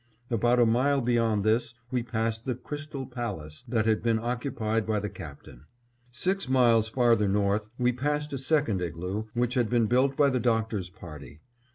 About a mile beyond this, we passed the "Crystal Palace" that had been occupied by the Captain. Six miles farther north, we passed a second igloo, which had been built by the Doctor's party.